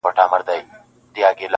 له خوښیو ټول کشمیر را سره خاندي,